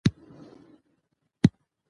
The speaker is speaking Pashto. زما یقین دی چي پر خپل خالق به ګران یو